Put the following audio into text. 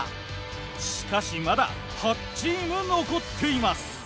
しかしまだ８チーム残っています。